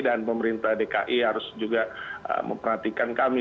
dan pemerintah dki harus juga memperhatikan kami